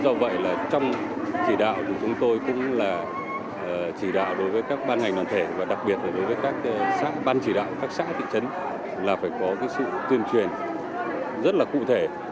do vậy là trong chỉ đạo thì chúng tôi cũng là chỉ đạo đối với các ban ngành đoàn thể và đặc biệt là đối với các ban chỉ đạo các xã thị trấn là phải có cái sự tuyên truyền rất là cụ thể